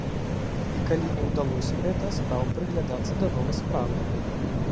І калі не ўдалося гэта, стаў прыглядацца да новай справы.